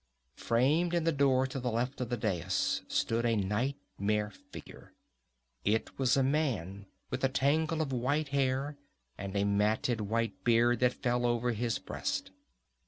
Framed in the door to the left of the dais stood a nightmare figure. It was a man, with a tangle of white hair and a matted white beard that fell over his breast.